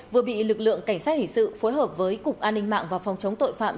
vừa bị lực lượng cảnh sát hình sự phối hợp với cục an ninh mạng và phòng chống tội phạm